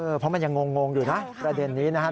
เพราะมันยังงงอยู่นะประเด็นนี้นะครับ